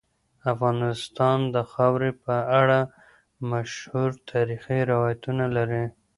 افغانستان د خاوره په اړه مشهور تاریخی روایتونه لري.